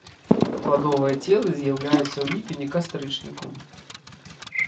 Пладовыя целы з'яўляюцца ў ліпені-кастрычніку.